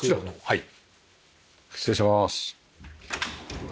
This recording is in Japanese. はい。